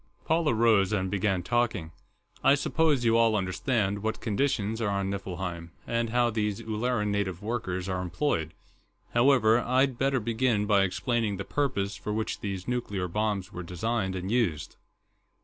Paula rose and began talking: "I suppose you all understand what conditions are on Niflheim, and how these Ulleran native workers are employed; however, I'd better begin by explaining the purpose for which these nuclear bombs were designed and used...."